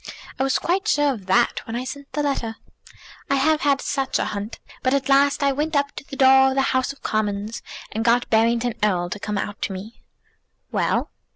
I was quite sure of that when I sent the letter. I have had such a hunt. But at last I went up to the door of the House of Commons, and got Barrington Erle to come out to me." "Well?"